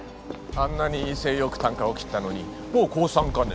あんなに威勢良くたんかを切ったのにもう降参かね？